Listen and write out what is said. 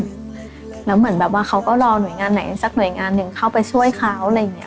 แล้วเหมือนความตื่นแม่นประกาศแค่แหน่งเขาก็รอหน่วยงานหนึ่งสักหน่วยงานหนึ่งเข้าไปช่วยเค้า